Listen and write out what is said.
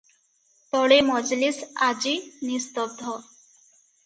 ତଳେ ମଜଲିସ ଆଜି ନିସ୍ତବ୍ଧ ।